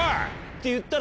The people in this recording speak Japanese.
って。